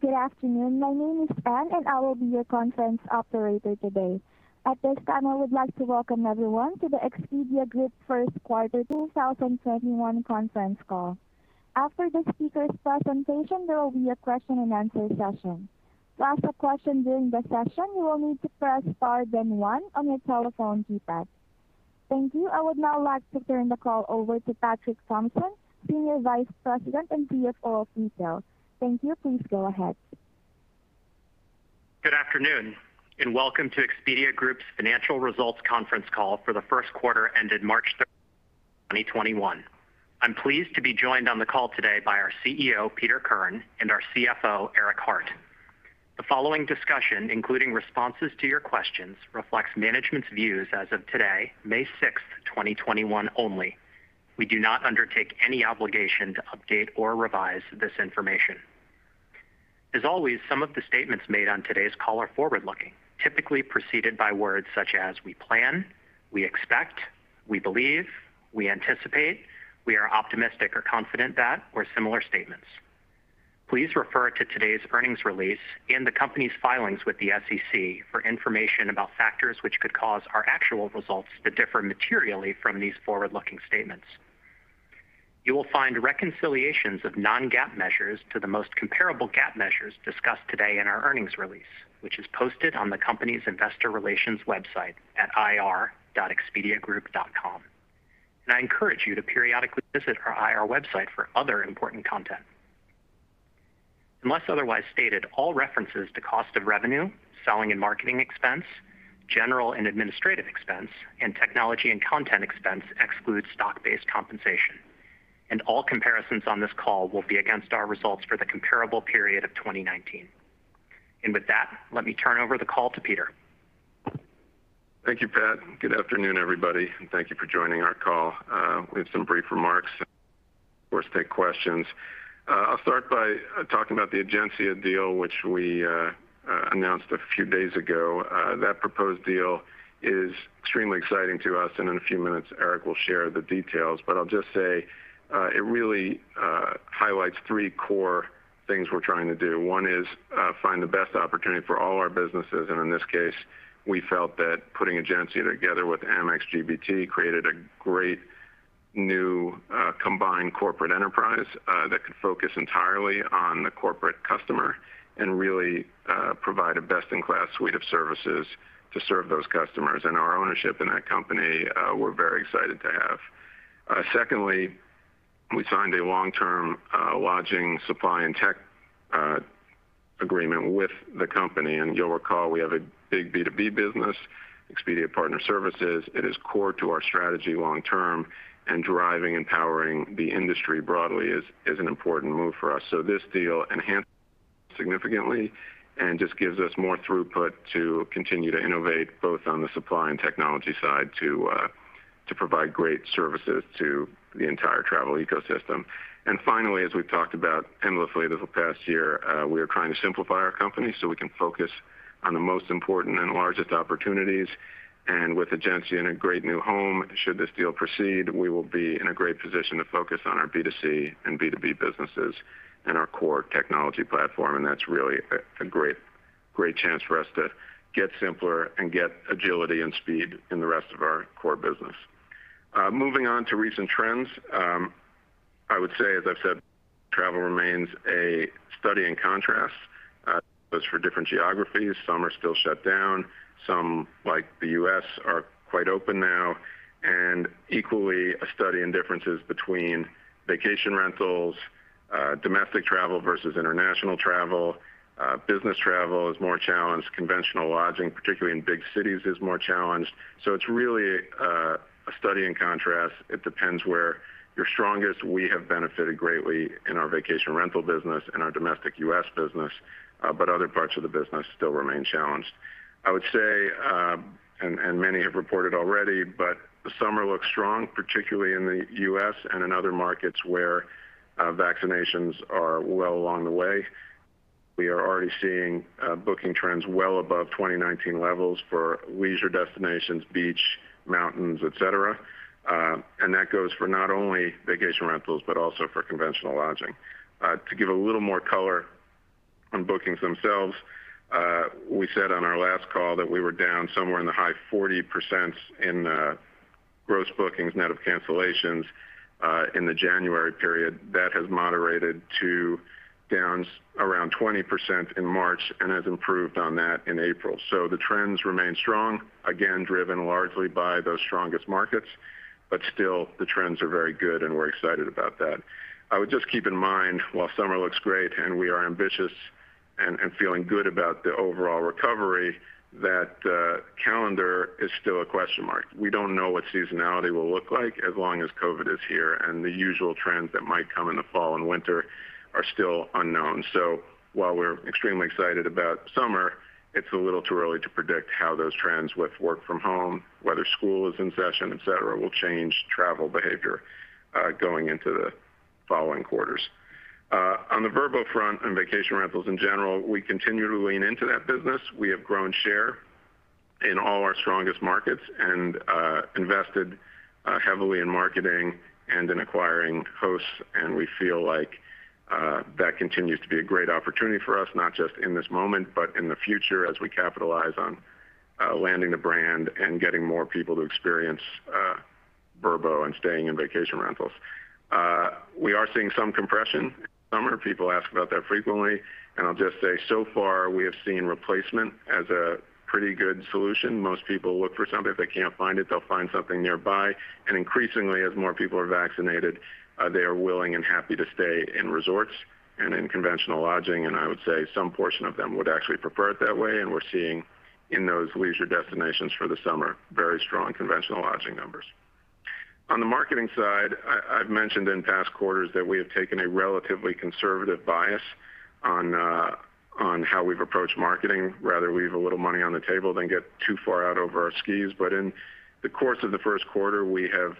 Good afternoon. My name is Anne, and I will be your conference operator today. At this time, I would like to welcome everyone to the Expedia Group First Quarter 2021 Conference Call. After the speaker's presentation, there will be a question and answer session. To ask a question during the session, you will need to press star then one on your telephone keypad. Thank you. I would now like to turn the call over to Patrick Thompson, Senior Vice President and CFO of Retail. Thank you. Please go ahead. Good afternoon, welcome to Expedia Group's financial results conference call for the first quarter ended March 30, 2021. I'm pleased to be joined on the call today by our CEO, Peter Kern, and our CFO, Eric Hart. The following discussion, including responses to your questions, reflects management's views as of today, May 6, 2021 only. We do not undertake any obligation to update or revise this information. As always, some of the statements made on today's call are forward-looking, typically preceded by words such as "we plan," "we expect," "we believe," "we anticipate," "we are optimistic or confident that," or similar statements. Please refer to today's earnings release and the company's filings with the SEC for information about factors which could cause our actual results to differ materially from these forward-looking statements. You will find reconciliations of non-GAAP measures to the most comparable GAAP measures discussed today in our earnings release, which is posted on the company's investor relations website at ir.expediagroup.com. I encourage you to periodically visit our IR website for other important content. Unless otherwise stated, all references to cost of revenue, selling and marketing expense, general and administrative expense, and technology and content expense exclude stock-based compensation. All comparisons on this call will be against our results for the comparable period of 2019. With that, let me turn over the call to Peter. Thank you, Pat. Good afternoon, everybody, thank you for joining our call. We have some brief remarks, of course, take questions. I'll start by talking about the Egencia deal, which we announced a few days ago. That proposed deal is extremely exciting to us, and in a few minutes, Eric will share the details. I'll just say, it really highlights three core things we're trying to do. One is, find the best opportunity for all our businesses, and in this case, we felt that putting Egencia together with Amex GBT created a great new, combined corporate enterprise, that could focus entirely on the corporate customer and really provide a best-in-class suite of services to serve those customers. Our ownership in that company, we're very excited to have. Secondly, we signed a long-term lodging supply and tech agreement with the company. You'll recall we have a big B2B business, Expedia Partner Services. It is core to our strategy long term and driving and powering the industry broadly is an important move for us. This deal enhanced significantly and just gives us more throughput to continue to innovate both on the supply and technology side to provide great services to the entire travel ecosystem. Finally, as we've talked about endlessly this past year, we are trying to simplify our company so we can focus on the most important and largest opportunities. With Egencia in a great new home, should this deal proceed, we will be in a great position to focus on our B2C and B2B businesses and our core technology platform. That's really a great chance for us to get simpler and get agility and speed in the rest of our core business. Moving on to recent trends, I would say, as I've said, travel remains a study in contrast for different geographies. Some are still shut down. Some, like the U.S., are quite open now. Equally, a study in differences between vacation rentals, domestic travel versus international travel. Business travel is more challenged. Conventional lodging, particularly in big cities, is more challenged. It's really a study in contrast. It depends where you're strongest. We have benefited greatly in our vacation rental business and our domestic U.S. business, but other parts of the business still remain challenged. I would say, many have reported already, the summer looks strong, particularly in the U.S. and in other markets where vaccinations are well along the way. We are already seeing booking trends well above 2019 levels for leisure destinations, beach, mountains, et cetera. That goes for not only vacation rentals, but also for conventional lodging. To give a little more color on bookings themselves, we said on our last call that we were down somewhere in the high 40% in gross bookings, net of cancellations, in the January period. That has moderated to down around 20% in March and has improved on that in April. The trends remain strong, again, driven largely by those strongest markets, still the trends are very good, we're excited about that. I would just keep in mind, while summer looks great and we are ambitious and feeling good about the overall recovery, that the calendar is still a question mark. We don't know what seasonality will look like as long as COVID is here, and the usual trends that might come in the fall and winter are still unknown. While we're extremely excited about summer, it's a little too early to predict how those trends with work from home, whether school is in session, et cetera, will change travel behavior going into the following quarters. On the Vrbo front and vacation rentals in general, we continue to lean into that business. We have grown share in all our strongest markets and invested heavily in marketing and in acquiring hosts, and we feel like that continues to be a great opportunity for us, not just in this moment, but in the future as we capitalize on landing the brand and getting more people to experience Vrbo and staying in vacation rentals. We are seeing some compression. Summer people ask about that frequently, and I'll just say so far we have seen replacement as a pretty good solution. Most people look for something. If they can't find it, they'll find something nearby. Increasingly, as more people are vaccinated, they are willing and happy to stay in resorts and in conventional lodging, and I would say some portion of them would actually prefer it that way. We're seeing in those leisure destinations for the summer very strong conventional lodging numbers. On the marketing side, I've mentioned in past quarters that we have taken a relatively conservative bias on how we've approached marketing. Rather leave a little money on the table than get too far out over our skis. In the course of the first quarter, we have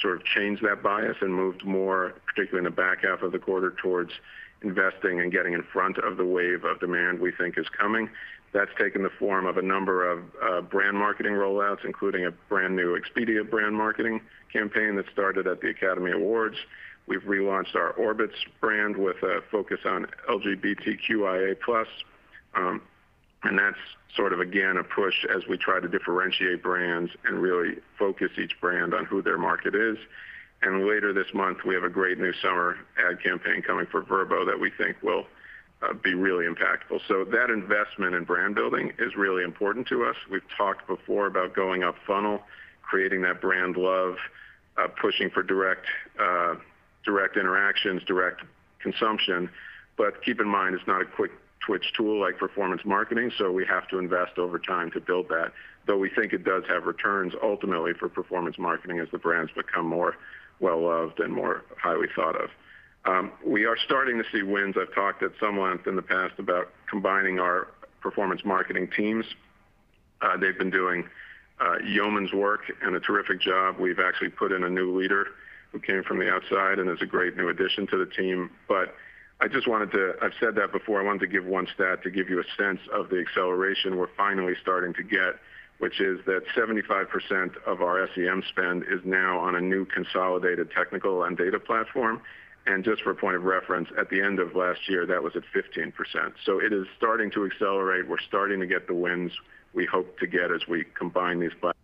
sort of changed that bias and moved more, particularly in the back half of the quarter, towards investing and getting in front of the wave of demand we think is coming. That's taken the form of a number of brand marketing rollouts, including a brand-new Expedia brand marketing campaign that started at the Academy Awards. We've relaunched our Orbitz brand with a focus on LGBTQIA+. That's sort of again a push as we try to differentiate brands and really focus each brand on who their market is. Later this month, we have a great new summer ad campaign coming for Vrbo that we think will be really impactful. That investment in brand building is really important to us. We've talked before about going up funnel, creating that brand love, pushing for direct interactions, direct consumption. Keep in mind, it's not a quick twitch tool like performance marketing, so we have to invest over time to build that. Though we think it does have returns ultimately for performance marketing as the brands become more well-loved and more highly thought of. We are starting to see wins. I've talked at some length in the past about combining our performance marketing teams. They've been doing yeoman's work and a terrific job. We've actually put in a new leader who came from the outside and is a great new addition to the team. I've said that before. I wanted to give one stat to give you a sense of the acceleration we're finally starting to get, which is that 75% of our SEM spend is now on a new consolidated technical and data platform. Just for a point of reference, at the end of last year, that was at 15%. It is starting to accelerate. We're starting to get the wins we hope to get as we combine these platforms.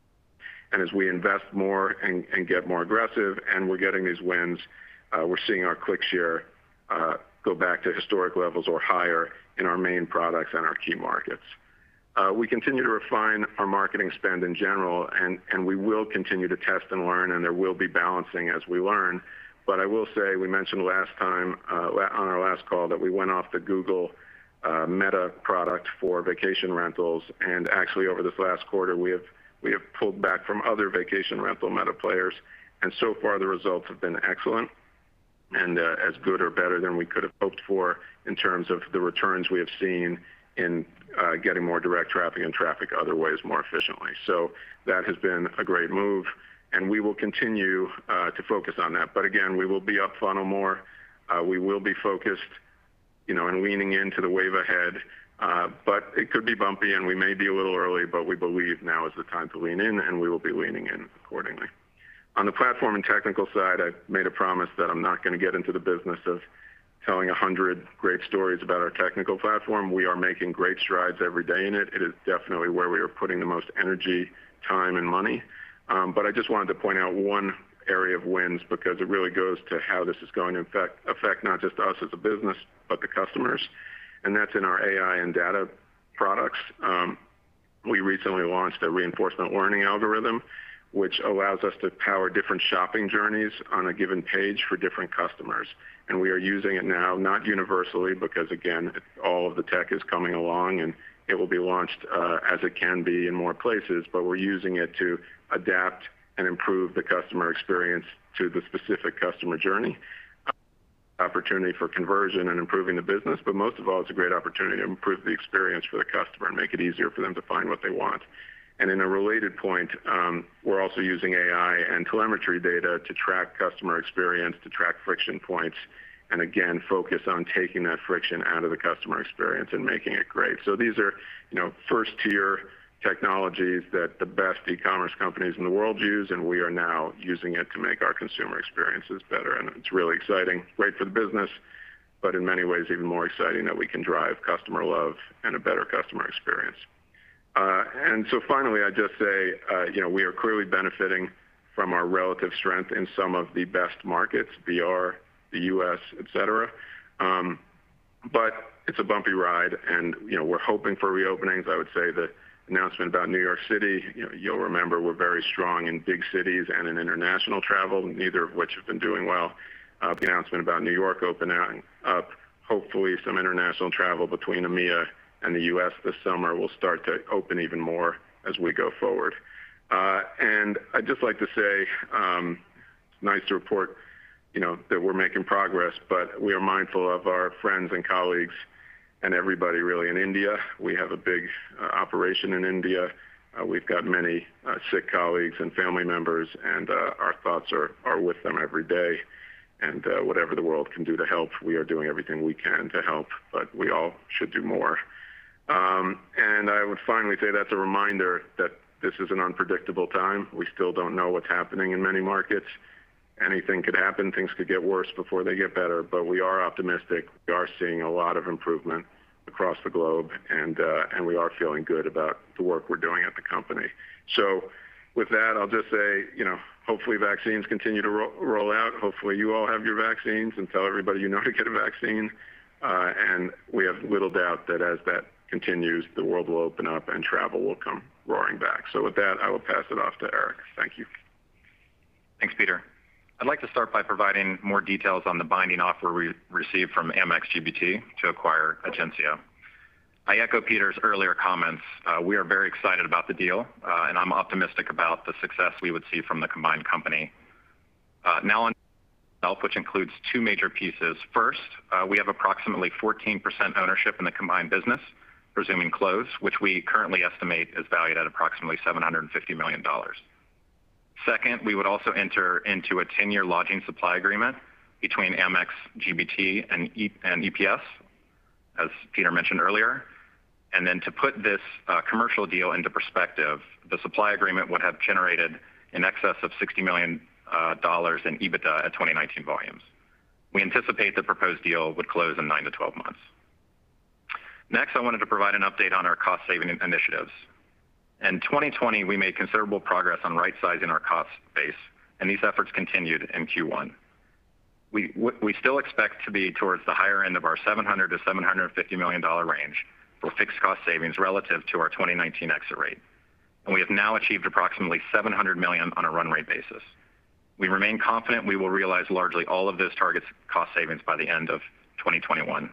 As we invest more and get more aggressive and we're getting these wins, we're seeing our click share go back to historic levels or higher in our main products and our key markets. We continue to refine our marketing spend in general and we will continue to test and learn, and there will be balancing as we learn. I will say, we mentioned last time on our last call that we went off the Google meta product for vacation rentals. Actually, over this last quarter, we have pulled back from other vacation rental meta players, and so far the results have been excellent and as good or better than we could have hoped for in terms of the returns we have seen in getting more direct traffic and traffic other ways more efficiently. That has been a great move, and we will continue to focus on that. Again, we will be up funnel more. We will be focused, you know, on leaning into the wave ahead. It could be bumpy, and we may be a little early, but we believe now is the time to lean in, and we will be leaning in accordingly. On the platform and technical side, I've made a promise that I'm not gonna get into the business of telling a hundred great stories about our technical platform. We are making great strides every day in it. It is definitely where we are putting the most energy, time, and money. I just wanted to point out one area of wins because it really goes to how this is going to affect not just us as a business, but the customers. That's in our AI and data products. We recently launched a reinforcement learning algorithm, which allows us to power different shopping journeys on a given page for different customers. We are using it now, not universally, because again, all of the tech is coming along and it will be launched as it can be in more places. We're using it to adapt and improve the customer experience to the specific customer journey. Opportunity for conversion and improving the business, but most of all, it's a great opportunity to improve the experience for the customer and make it easier for them to find what they want. In a related point, we're also using AI and telemetry data to track customer experience, to track friction points, and again, focus on taking that friction out of the customer experience and making it great. These are, you know, first-tier technologies that the best e-commerce companies in the world use, and we are now using it to make our consumer experiences better. It's really exciting, great for the business, but in many ways, even more exciting that we can drive customer love and a better customer experience. Finally, I'd just say, you know, we are clearly benefiting from our relative strength in some of the best markets, VR, the U.S., et cetera. But it's a bumpy ride, and, you know, we're hoping for reopenings. I would say the announcement about New York City, you know, you'll remember we're very strong in big cities and in international travel, neither of which have been doing well. The announcement about New York opening up, hopefully some international travel between EMEA and the U.S. this summer will start to open even more as we go forward. I'd just like to say, nice to report, you know, that we're making progress, but we are mindful of our friends and colleagues and everybody really in India. We have a big operation in India. We've got many sick colleagues and family members, our thoughts are with them every day. Whatever the world can do to help, we are doing everything we can to help, but we all should do more. I would finally say that's a reminder that this is an unpredictable time. We still don't know what's happening in many markets. Anything could happen, things could get worse before they get better, but we are optimistic. We are seeing a lot of improvement across the globe and we are feeling good about the work we're doing at the company. I'll just say, you know, hopefully vaccines continue to roll out. Hopefully, you all have your vaccines, and tell everybody you know to get a vaccine. We have little doubt that as that continues, the world will open up and travel will come roaring back. I will pass it off to Eric. Thank you. Thanks, Peter. I'd like to start by providing more details on the binding offer we received from Amex GBT to acquire Egencia. I echo Peter's earlier comments. We are very excited about the deal and I'm optimistic about the success we would see from the combined company. Now on sale, which includes two major pieces. First, we have approximately 14% ownership in the combined business, presuming close, which we currently estimate is valued at approximately $750 million. Second, we would also enter into a 10-year lodging supply agreement between Amex GBT and EPS, as Peter mentioned earlier. To put this commercial deal into perspective, the supply agreement would have generated in excess of $60 million in EBITDA at 2019 volumes. We anticipate the proposed deal would close in 9-12 months. Next, I wanted to provide an update on our cost-saving initiatives. In 2020, we made considerable progress on rightsizing our cost base, and these efforts continued in Q1. We still expect to be towards the higher end of our $700 million-$750 million range for fixed cost savings relative to our 2019 exit rate. We have now achieved approximately $700 million on a run rate basis. We remain confident we will realize largely all of this target's cost savings by the end of 2021.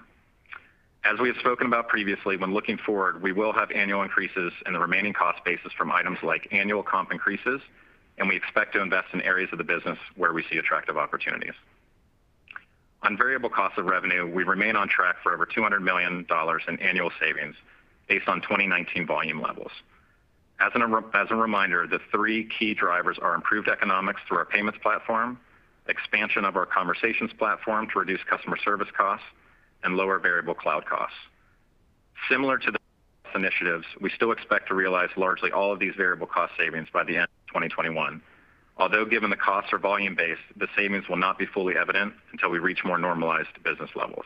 As we have spoken about previously, when looking forward, we will have annual increases in the remaining cost basis from items like annual comp increases, and we expect to invest in areas of the business where we see attractive opportunities. On variable cost of revenue, we remain on track for over $200 million in annual savings based on 2019 volume levels. As a reminder, the three key drivers are improved economics through our payments platform, expansion of our conversations platform to reduce customer service costs, and lower variable cloud costs. Similar to the initiatives, we still expect to realize largely all of these variable cost savings by the end of 2021. Given the costs are volume-based, the savings will not be fully evident until we reach more normalized business levels.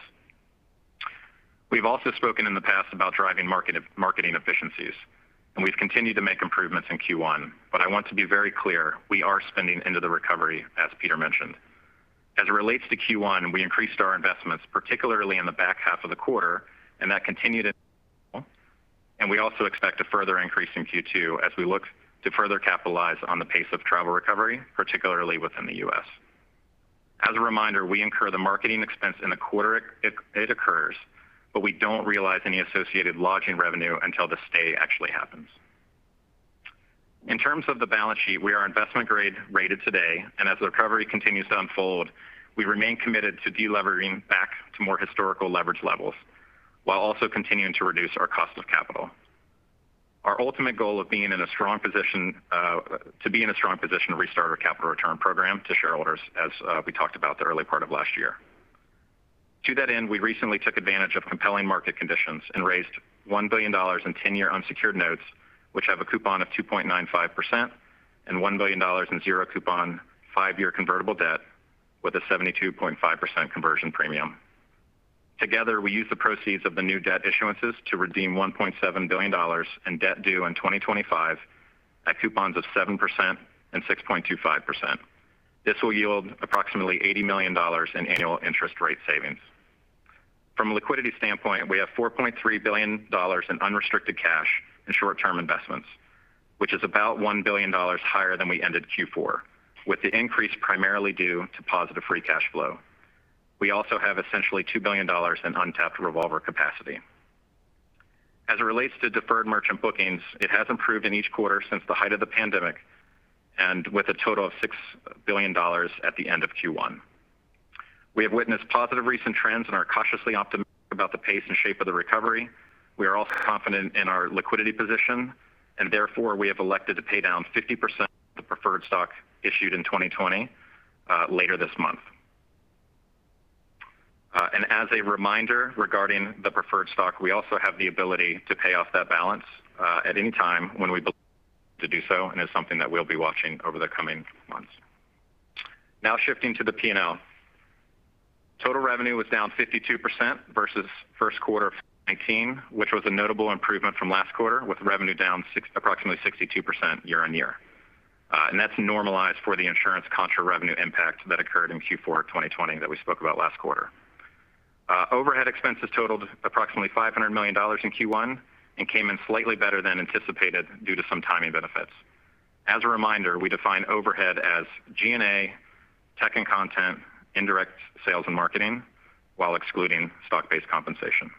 We've also spoken in the past about driving marketing efficiencies, and we've continued to make improvements in Q1. I want to be very clear, we are spending into the recovery, as Peter mentioned. As it relates to Q1, we increased our investments, particularly in the back half of the quarter, and that continued in. We also expect a further increase in Q2 as we look to further capitalize on the pace of travel recovery, particularly within the U.S. As a reminder, we incur the marketing expense in the quarter it occurs, but we don't realize any associated lodging revenue until the stay actually happens. In terms of the balance sheet, we are investment grade rated today, and as the recovery continues to unfold, we remain committed to delevering back to more historical leverage levels, while also continuing to reduce our cost of capital. Our ultimate goal to be in a strong position to restart our capital return program to shareholders as we talked about the early part of last year. To that end, we recently took advantage of compelling market conditions and raised $1 billion in 10-year unsecured notes, which have a coupon of 2.95% and $1 billion in zero coupon, five-year convertible debt with a 72.5% conversion premium. Together, we used the proceeds of the new debt issuances to redeem $1.7 billion in debt due in 2025 at coupons of 7% and 6.25%. This will yield approximately $80 million in annual interest rate savings. From a liquidity standpoint, we have $4.3 billion in unrestricted cash and short-term investments, which is about $1 billion higher than we ended Q4, with the increase primarily due to positive free cash flow. We also have essentially $2 billion in untapped revolver capacity. As it relates to deferred merchant bookings, it has improved in each quarter since the height of the pandemic, and with a total of $6 billion at the end of Q1. We have witnessed positive recent trends and are cautiously optimistic about the pace and shape of the recovery. We are also confident in our liquidity position, and therefore, we have elected to pay down 50% of the preferred stock issued in 2020 later this month. As a reminder regarding the preferred stock, we also have the ability to pay off that balance at any time when we believe to do so, and it's something that we'll be watching over the coming months. Now shifting to the P&L. Total revenue was down 52% versus first quarter of 2019, which was a notable improvement from last quarter, with revenue down approximately 62% year-on-year. That's normalized for the insurance contra revenue impact that occurred in Q4 2020 that we spoke about last quarter. Overhead expenses totaled approximately $500 million in Q1 and came in slightly better than anticipated due to some timing benefits. As a reminder, we define overhead as G&A, tech and content, indirect sales and marketing, while excluding stock-based compensation.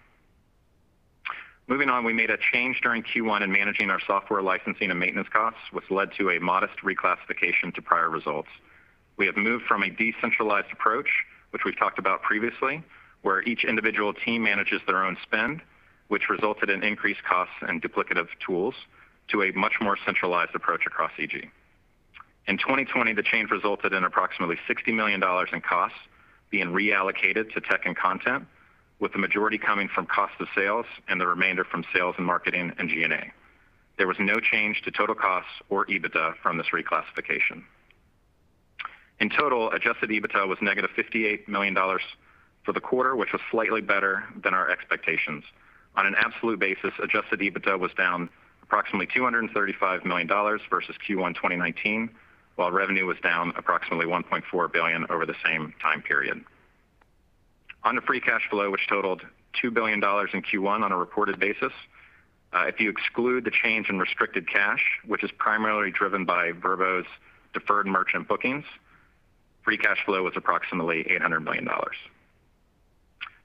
Moving on, we made a change during Q1 in managing our software licensing and maintenance costs, which led to a modest reclassification to prior results. We have moved from a decentralized approach, which we've talked about previously, where each individual team manages their own spend, which resulted in increased costs and duplicative tools, to a much more centralized approach across EG. In 2020, the change resulted in approximately $60 million in costs being reallocated to tech and content, with the majority coming from cost of sales and the remainder from sales and marketing and G&A. There was no change to total costs or EBITDA from this reclassification. In total, adjusted EBITDA was negative $58 million for the quarter, which was slightly better than our expectations. On an absolute basis, adjusted EBITDA was down approximately $235 million versus Q1 2019, while revenue was down approximately $1.4 billion over the same time period. On the free cash flow, which totaled $2 billion in Q1 on a reported basis, if you exclude the change in restricted cash, which is primarily driven by Vrbo's deferred merchant bookings, free cash flow was approximately $800 million.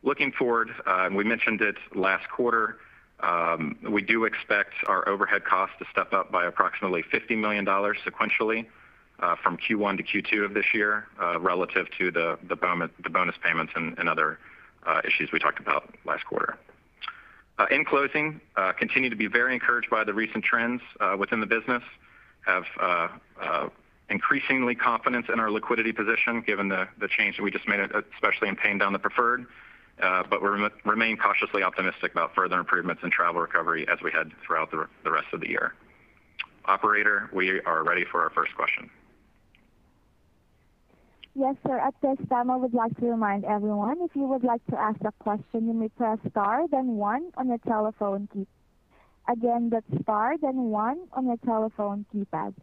Looking forward, and we mentioned it last quarter, we do expect our overhead cost to step up by approximately $50 million sequentially, from Q1 to Q2 of this year, relative to the bonus payments and other issues we talked about last quarter. In closing, continue to be very encouraged by the recent trends within the business. Have increasingly confidence in our liquidity position given the change that we just made, especially in paying down the preferred. Remain cautiously optimistic about further improvements in travel recovery as we head throughout the rest of the year. Operator, we are ready for our first question. Yes, sir. At this time, I would like to remind everyone, if you would like to ask a question, you may press star then one on your telephone keypad. Again, that's star then one on your telephone keypad.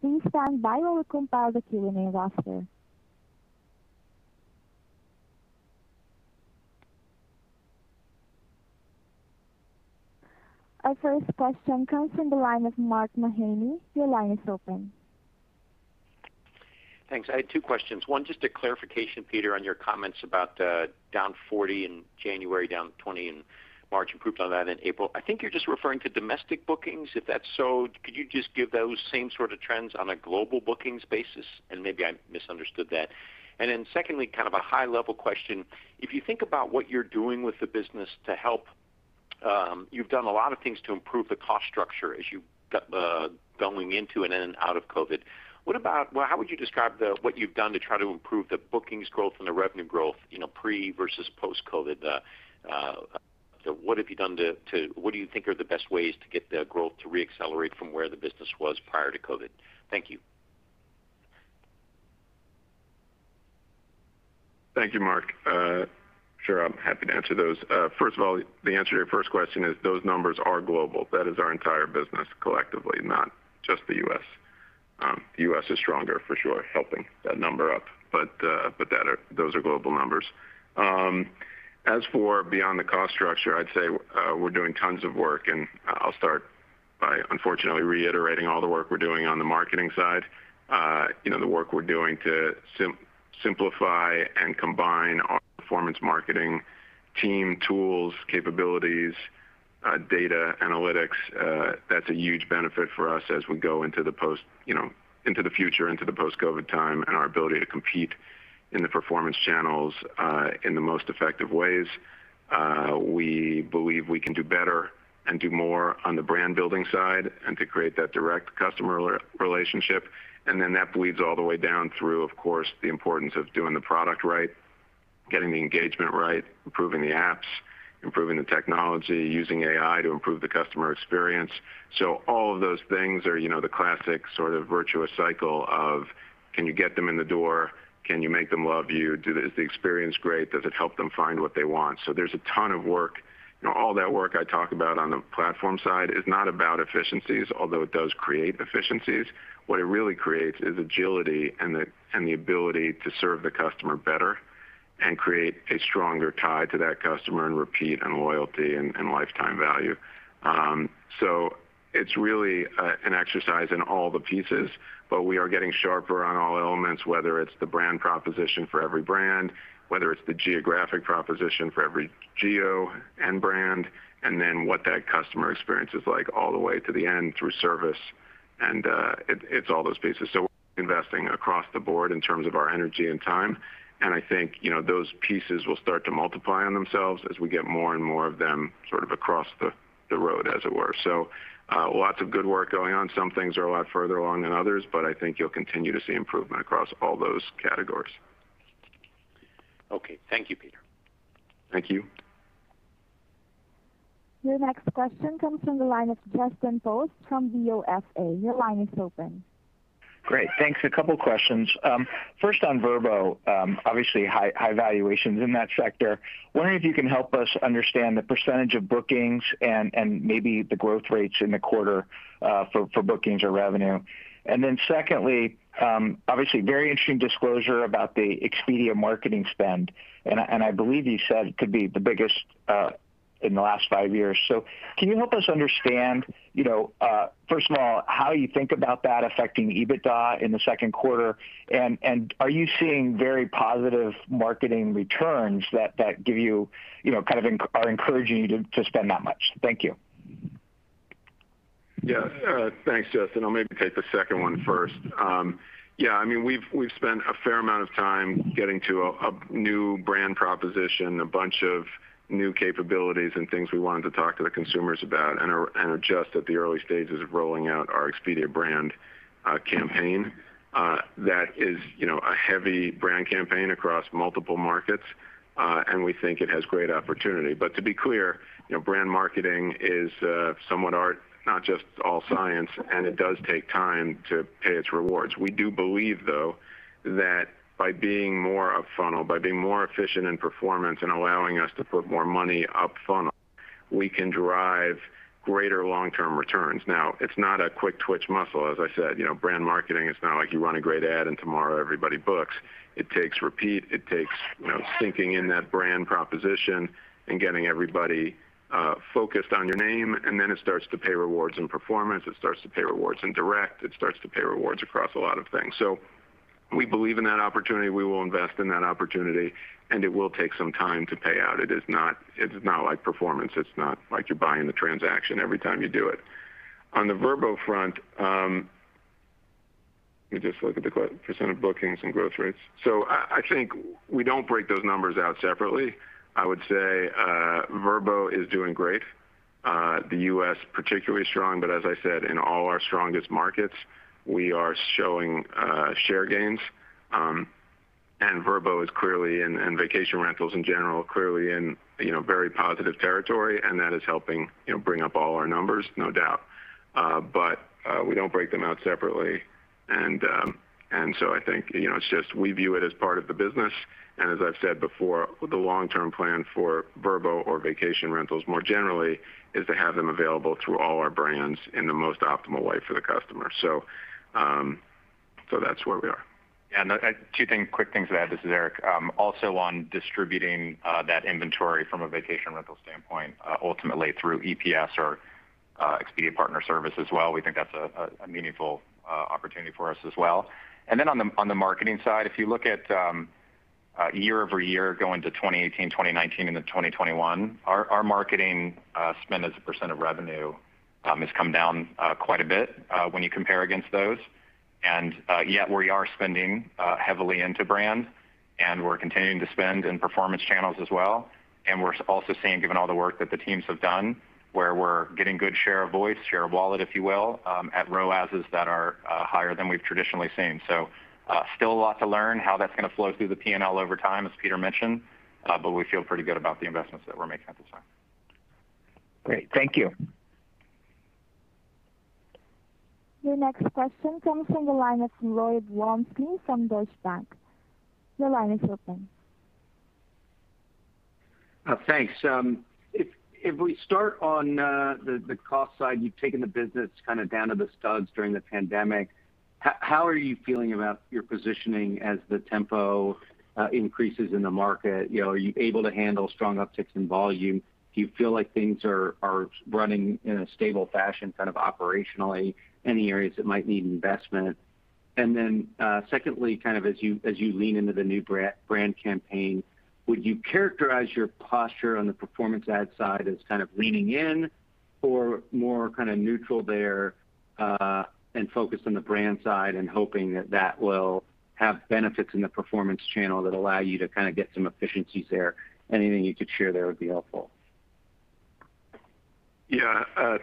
Please stand by while we compile the Q&A roster. Our first question comes from the line of Mark Mahaney. Your line is open. Thanks. I had two questions. One, just a clarification, Peter, on your comments about down 40% in January, down 20% in March, improved on that in April. I think you're just referring to domestic bookings. If that's so, could you just give those same sort of trends on a global bookings basis? Maybe I misunderstood that. Secondly, kind of a high level question. If you think about what you're doing with the business to help. You've done a lot of things to improve the cost structure as you've got going into and then out of COVID. Well, how would you describe what you've done to try to improve the bookings growth and the revenue growth, you know, pre versus post-COVID? What do you think are the best ways to get the growth to re-accelerate from where the business was prior to COVID? Thank you. Thank you, Mark. Sure, I'm happy to answer those. First of all, the answer to your first question is those numbers are global. That is our entire business collectively, not just the U.S. The U.S. is stronger for sure helping that number up, but those are global numbers. As for beyond the cost structure, I'd say, we're doing tons of work, and I'll start by unfortunately reiterating all the work we're doing on the marketing side. You know, the work we're doing to simplify and combine our performance marketing team, tools, capabilities, data analytics, that's a huge benefit for us as we go into the post, you know, into the future, into the post-COVID time and our ability to compete in the performance channels, in the most effective ways. We believe we can do better and do more on the brand building side and to create that direct customer relationship. That bleeds all the way down through, of course, the importance of doing the product right, getting the engagement right, improving the apps, improving the technology, using AI to improve the customer experience. All of those things are, you know, the classic sort of virtuous cycle of can you get them in the door? Can you make them love you? Is the experience great? Does it help them find what they want? There's a ton of work. You know, all that work I talk about on the platform side is not about efficiencies, although it does create efficiencies. What it really creates is agility and the ability to serve the customer better and create a stronger tie to that customer and repeat and loyalty and lifetime value. It's really an exercise in all the pieces, but we are getting sharper on all elements, whether it's the brand proposition for every brand, whether it's the geographic proposition for every geo end brand, and then what that customer experience is like all the way to the end through service, and it's all those pieces. We're investing across the board in terms of our energy and time, and I think, you know, those pieces will start to multiply on themselves as we get more and more of them sort of across the road as it were. Lots of good work going on. Some things are a lot further along than others, but I think you'll continue to see improvement across all those categories. Okay. Thank you, Peter. Thank you. Your next question comes from the line of Justin Post from BofA. Your line is open. Great. Thanks. A couple questions. First on Vrbo, obviously high, high valuations in that sector. Wondering if you can help us understand the percentage of bookings and maybe the growth rates in the quarter for bookings or revenue. Secondly, obviously very interesting disclosure about the Expedia marketing spend, and I believe you said it could be the biggest in the last five years. Can you help us understand, you know, first of all, how you think about that affecting EBITDA in the second quarter? Are you seeing very positive marketing returns that give you know, kind of are encouraging you to spend that much? Thank you. Yeah. Thanks, Justin. I'll maybe take the second one first. Yeah, I mean, we've spent a fair amount of time getting to a new brand proposition, a bunch of new capabilities and things we wanted to talk to the consumers about and are just at the early stages of rolling out our Expedia brand campaign. That is, you know, a heavy brand campaign across multiple markets, and we think it has great opportunity. To be clear, you know, brand marketing is somewhat art, not just all science, and it does take time to pay its rewards. We do believe, though, that by being more up-funnel, by being more efficient in performance and allowing us to put more money up-funnel We can drive greater long-term returns. It's not a quick twitch muscle. As I said, you know, brand marketing, it's not like you run a great ad and tomorrow everybody books. It takes repeat, it takes, you know, sinking in that brand proposition and getting everybody focused on your name, and then it starts to pay rewards in performance, it starts to pay rewards in direct, it starts to pay rewards across a lot of things. We believe in that opportunity, we will invest in that opportunity, and it will take some time to pay out. It is not, it's not like performance. It's not like you're buying the transaction every time you do it. On the Vrbo front, let me just look at the percentage of bookings and growth rates. I think we don't break those numbers out separately. I would say Vrbo is doing great. The U.S. particularly strong, as I said, in all our strongest markets, we are showing share gains. Vrbo is clearly and vacation rentals in general, clearly in, you know, very positive territory, and that is helping, you know, bring up all our numbers, no doubt. We don't break them out separately, I think, you know, it's just we view it as part of the business. As I've said before, the long-term plan for Vrbo or vacation rentals more generally, is to have them available through all our brands in the most optimal way for the customer. That's where we are. Two quick things to add. This is Eric. Also on distributing that inventory from a vacation rental standpoint, ultimately through EPS or Expedia Partner Services as well, we think that's a meaningful opportunity for us as well. Then on the marketing side, if you look at year-over-year going to 2018, 2019 and then 2021, our marketing spend as a percent of revenue has come down quite a bit when you compare against those. Yet we are spending heavily into brand, and we're continuing to spend in performance channels as well. We're also seeing, given all the work that the teams have done, where we're getting good share of voice, share of wallet, if you will, at ROASes that are higher than we've traditionally seen. Still a lot to learn how that's gonna flow through the P&L over time, as Peter mentioned, but we feel pretty good about the investments that we're making at this time. Great. Thank you. Your next question comes from the line of Lloyd Walmsley from Deutsche Bank. Your line is open. Thanks. If we start on the cost side, you've taken the business kind of down to the studs during the pandemic. How are you feeling about your positioning as the tempo increases in the market? You know, are you able to handle strong upticks in volume? Do you feel like things are running in a stable fashion kind of operationally? Any areas that might need investment? Secondly, kind of as you lean into the new brand campaign, would you characterize your posture on the performance ad side as kind of leaning in or more kind of neutral there and focused on the brand side and hoping that that will have benefits in the performance channel that allow you to kind of get some efficiencies there? Anything you could share there would be helpful.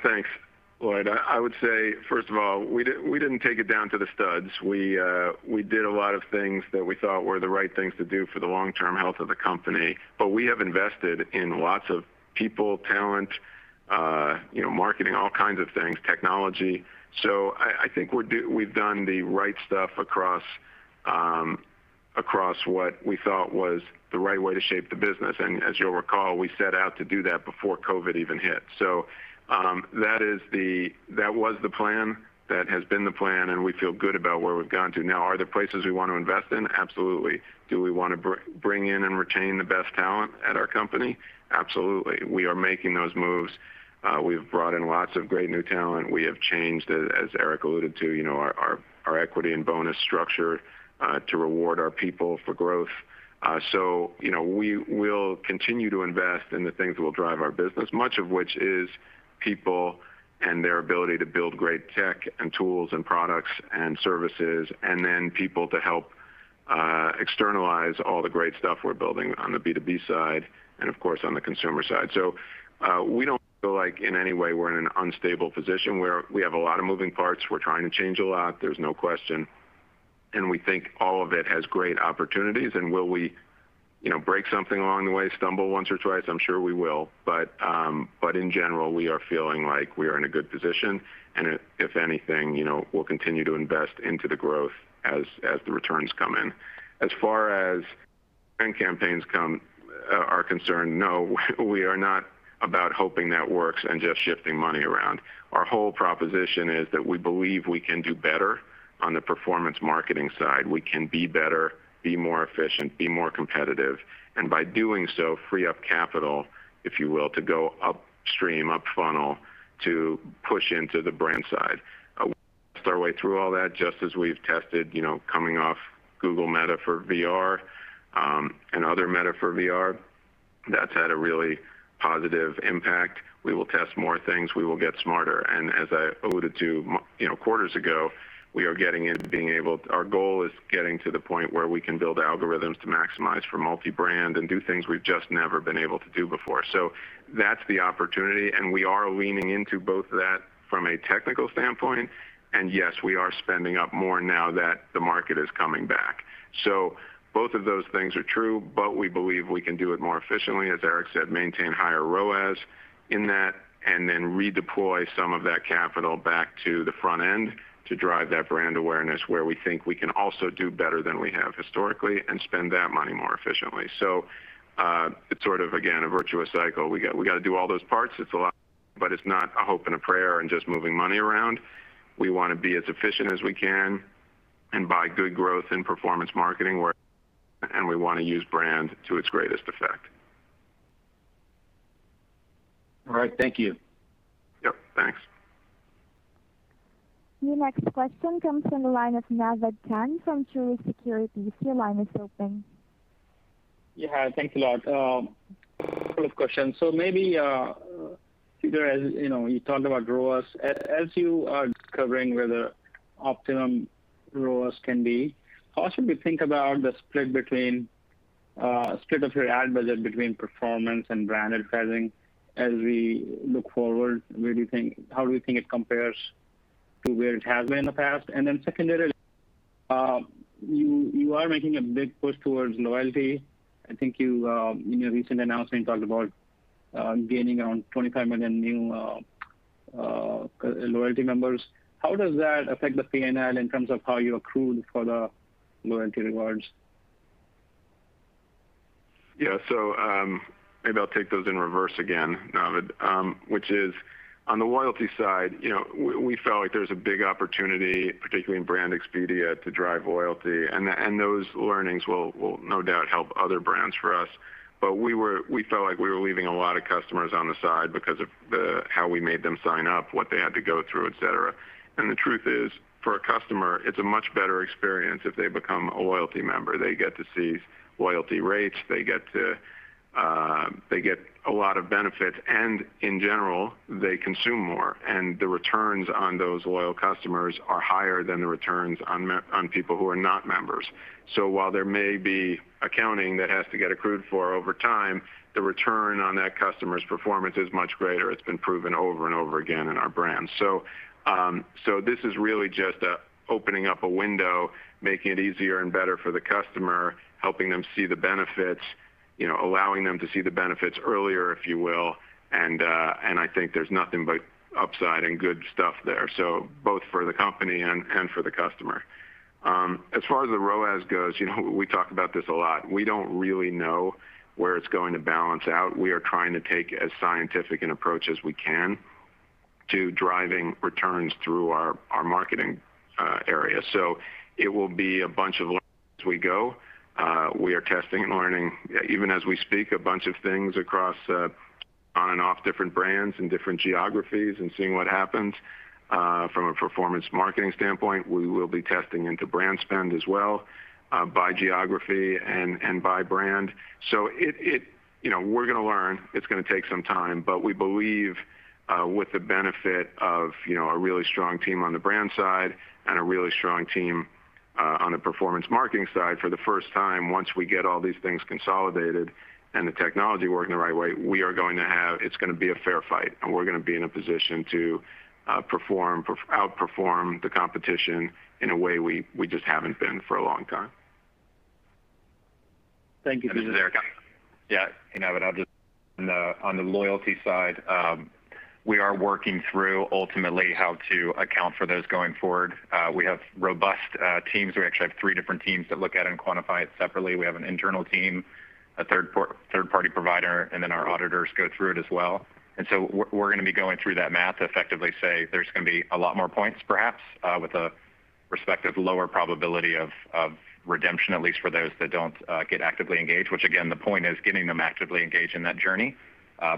Thanks, Lloyd. I would say, first of all, we didn't take it down to the studs. We did a lot of things that we thought were the right things to do for the long-term health of the company. We have invested in lots of people, talent, you know, marketing, all kinds of things, technology. I think we've done the right stuff across what we thought was the right way to shape the business. As you'll recall, we set out to do that before COVID even hit. That was the plan. That has been the plan, and we feel good about where we've gotten to. Now, are there places we want to invest in? Absolutely. Do we wanna bring in and retain the best talent at our company? Absolutely. We are making those moves. We've brought in lots of great new talent. We have changed, as Eric alluded to, you know, our equity and bonus structure to reward our people for growth. You know, we will continue to invest in the things that will drive our business, much of which is people and their ability to build great tech and tools and products and services, and then people to help externalize all the great stuff we're building on the B2B side and of course on the consumer side. We don't feel like in any way we're in an unstable position where we have a lot of moving parts. We're trying to change a lot, there's no question. We think all of it has great opportunities. Will we, you know, break something along the way, stumble once or twice? I'm sure we will. But in general, we are feeling like we are in a good position, and if anything, you know, we'll continue to invest into the growth as the returns come in. As far as brand campaigns come, are concerned, no, we are not about hoping that works and just shifting money around. Our whole proposition is that we believe we can do better on the performance marketing side. We can be better, be more efficient, be more competitive, and by doing so, free up capital, if you will, to go upstream, up funnel to push into the brand side. We'll test our way through all that, just as we've tested, you know, coming off Google meta for VR, and other meta for VR. That's had a really positive impact. We will test more things. We will get smarter. As I alluded to, you know, quarters ago, our goal is getting to the point where we can build algorithms to maximize for multi-brand and do things we've just never been able to do before. That's the opportunity, and we are leaning into both that from a technical standpoint. Yes, we are spending up more now that the market is coming back. Both of those things are true, but we believe we can do it more efficiently, as Eric said, maintain higher ROAS in that. Then redeploy some of that capital back to the front end to drive that brand awareness where we think we can also do better than we have historically, and spend that money more efficiently. It's sort of again, a virtuous cycle. We gotta do all those parts. It's a lot, but it's not a hope and a prayer and just moving money around. We wanna be as efficient as we can and buy good growth in performance marketing and we wanna use brand to its greatest effect. All right. Thank you. Yep. Thanks. Your next question comes from the line of Naved Khan from Truist Securities. Your line is open. Yeah. Thanks a lot. Couple of questions. Maybe Peter, as, you know, you talked about ROAS. As you are discovering where the optimum ROAS can be, how should we think about the split between split of your ad budget between performance and brand advertising as we look forward? How do you think it compares to where it has been in the past? Secondarily, you are making a big push towards loyalty. I think you in your recent announcement talked about gaining around 25 million new loyalty members. How does that affect the P&L in terms of how you accrued for the loyalty rewards? Yeah. Maybe I'll take those in reverse again, Naved. Which is on the loyalty side, you know, we felt like there was a big opportunity, particularly in brand Expedia, to drive loyalty. Those learnings will no doubt help other brands for us. We felt like we were leaving a lot of customers on the side because of how we made them sign up, what they had to go through, et cetera. The truth is, for a customer, it's a much better experience if they become a loyalty member. They get to see loyalty rates, they get to, they get a lot of benefits, and in general, they consume more. The returns on those loyal customers are higher than the returns on people who are not members. While there may be accounting that has to get accrued for over time, the return on that customer's performance is much greater. It's been proven over and over again in our brand. This is really just a opening up a window, making it easier and better for the customer, helping them see the benefits, you know, allowing them to see the benefits earlier, if you will. I think there's nothing but upside and good stuff there. Both for the company and for the customer. As far as the ROAS goes, you know, we talk about this a lot. We don't really know where it's going to balance out. We are trying to take as scientific an approach as we can to driving returns through our marketing area. It will be a bunch of things as we go. We are testing and learning even as we speak, a bunch of things across on and off different brands and different geographies and seeing what happens. From a performance marketing standpoint, we will be testing into brand spend as well, by geography and by brand. You know, we're gonna learn, it's gonna take some time. We believe, with the benefit of, you know, a really strong team on the brand side and a really strong team on the performance marketing side, for the first time, once we get all these things consolidated and the technology working the right way, it's gonna be a fair fight, and we're gonna be in a position to outperform the competition in a way we just haven't been for a long time. Thank you, Peter. This is Eric. Yeah. You know, on the loyalty side, we are working through ultimately how to account for those going forward. We have robust teams. We actually have three different teams that look at it and quantify it separately. We have an internal team, a third party provider, then our auditors go through it as well. We're gonna be going through that math to effectively say there's gonna be a lot more points perhaps with a respective lower probability of redemption, at least for those that don't get actively engaged, which again, the point is getting them actively engaged in that journey.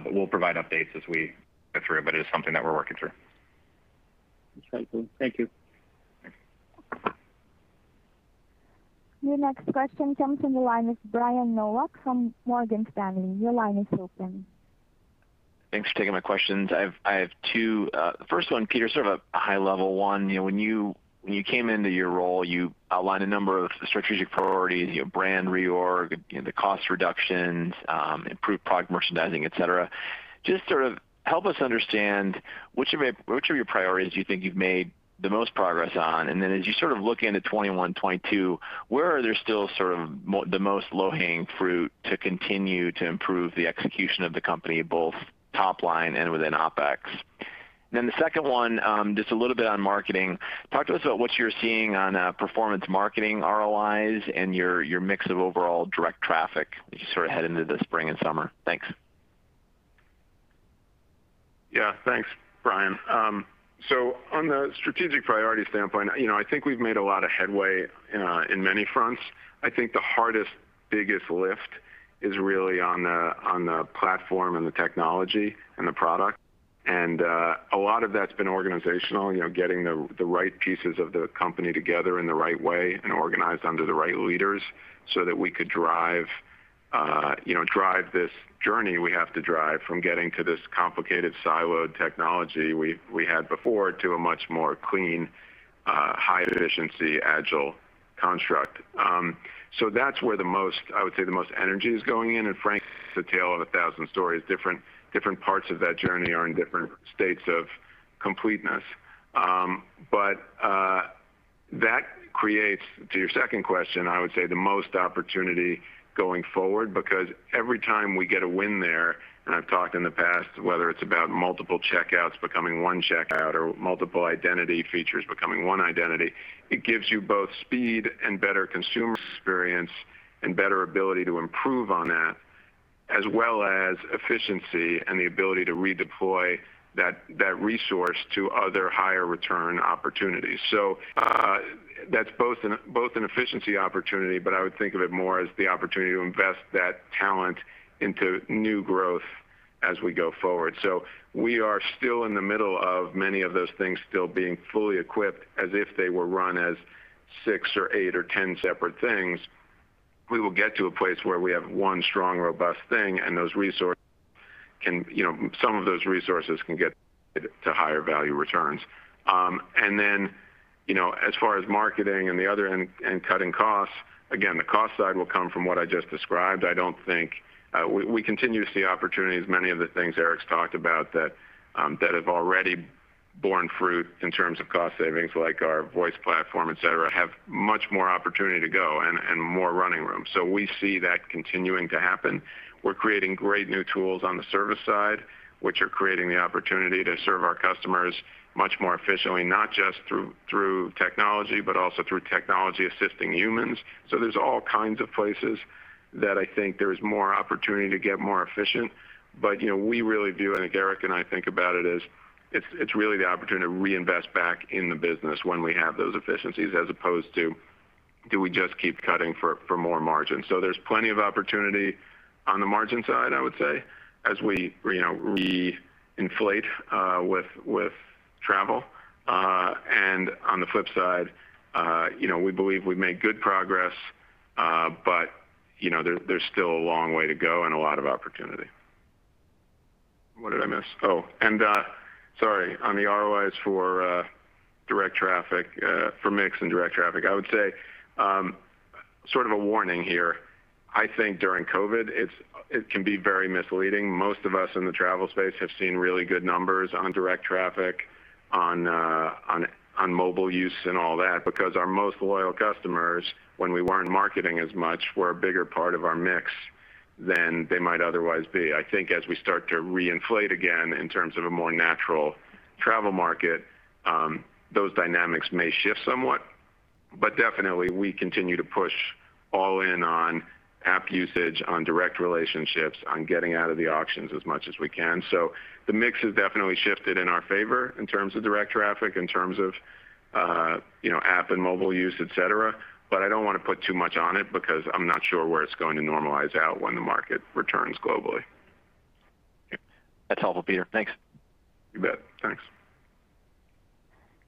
We'll provide updates as we go through, it is something that we're working through. Okay, cool. Thank you. Your next question comes from the line of Brian Nowak from Morgan Stanley. Your line is open. Thanks for taking my questions. I have two. The first one, Peter, sort of a high level one. You know, when you, when you came into your role, you outlined a number of strategic priorities, you know, brand reorg, you know, the cost reductions, improved product merchandising, et cetera. Just sort of help us understand which of your, which of your priorities do you think you've made the most progress on? As you sort of look into 2021, 2022, where are there still sort of the most low-hanging fruit to continue to improve the execution of the company, both top line and within OpEx? The second one, just a little bit on marketing. Talk to us about what you're seeing on performance marketing ROIs and your mix of overall direct traffic as you sort of head into the spring and summer. Thanks. Yeah. Thanks, Brian. On the strategic priority standpoint, you know, I think we've made a lot of headway in many fronts. I think the hardest, biggest lift is really on the platform and the technology and the product. A lot of that's been organizational, you know, getting the right pieces of the company together in the right way and organized under the right leaders so that we could drive, you know, drive this journey we have to drive from getting to this complicated siloed technology we had before to a much more clean, high efficiency agile construct. That's where the most, I would say the most energy is going in. Frankly, it's a tale of a thousand stories. Different parts of that journey are in different states of completeness. That creates, to your second question, I would say the most opportunity going forward because every time we get a win there, and I've talked in the past whether it's about multiple checkouts becoming one checkout or multiple identity features becoming one identity, it gives you both speed and better consumer experience and better ability to improve on that as well as efficiency and the ability to redeploy that resource to other higher return opportunities. That's both an efficiency opportunity, but I would think of it more as the opportunity to invest that talent into new growth as we go forward. We are still in the middle of many of those things still being fully equipped as if they were run as six or eight or 10 separate things. We will get to a place where we have one strong, robust thing and those resources can, you know, some of those resources can get to higher value returns. Then, you know, as far as marketing and the other and cutting costs, again, the cost side will come from what I just described. I don't think, we continue to see opportunities, many of the things Eric's talked about that have already borne fruit in terms of cost savings, like our voice platform, et cetera, have much more opportunity to go and more running room. We see that continuing to happen. We're creating great new tools on the service side, which are creating the opportunity to serve our customers much more efficiently, not just through technology, but also through technology assisting humans. There's all kinds of places that I think there is more opportunity to get more efficient. You know, we really view, and I think Eric and I think about it as it's really the opportunity to reinvest back in the business when we have those efficiencies as opposed to do we just keep cutting for more margin. There's plenty of opportunity on the margin side, I would say, as we, you know, re-inflate with travel. And on the flip side, you know, we believe we've made good progress, but you know, there's still a long way to go and a lot of opportunity. What did I miss? And, sorry. On the ROIs for direct traffic, for mix and direct traffic, I would say, sort of a warning here. I think during COVID, it can be very misleading. Most of us in the travel space have seen really good numbers on direct traffic, on mobile use and all that because our most loyal customers, when we weren't marketing as much, were a bigger part of our mix than they might otherwise be. I think as we start to re-inflate again in terms of a more natural travel market, those dynamics may shift somewhat. Definitely we continue to push all in on app usage, on direct relationships, on getting out of the auctions as much as we can. The mix has definitely shifted in our favor in terms of direct traffic, in terms of, you know, app and mobile use, et cetera. I don't wanna put too much on it because I'm not sure where it's going to normalize out when the market returns globally. That's helpful, Peter. Thanks. You bet. Thanks.